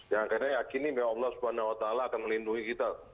ya karena yakini biar allah swt akan melindungi kita